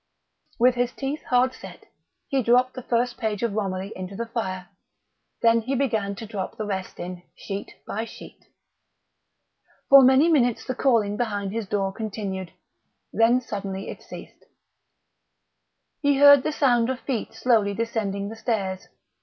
_..." With his teeth hard set, he dropped the first page of Romilly into the fire. Then he began to drop the rest in, sheet by sheet. For many minutes the calling behind his door continued; then suddenly it ceased. He heard the sound of feet slowly descending the stairs.